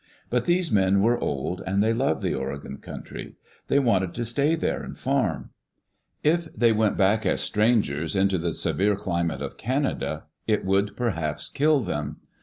But these men were old, and they loved the Oregon country. They wanted to stay there and farm. If they went back as strangers, into the severe climate of Canada, it would perhaps kill them.